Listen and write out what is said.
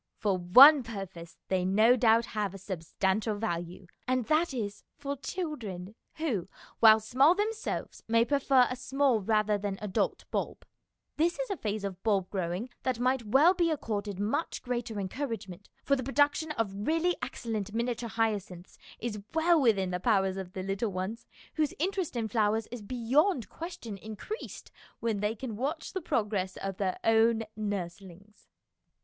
For one purpose they no doubt have a substantial value, and that is for children, who, while small themselves, may prefer a small rather than an adult bulb. This is a phase of bulb growing that might 264 MONOLOGUES well be accorded much greater encourage ment, for the production of really excellent miniature hyacinths is well within the powers of the little ones, whose interest in flowers is beyond question increased when they can watch the progress of their own nurslings."